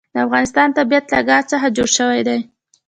د افغانستان طبیعت له ګاز څخه جوړ شوی دی.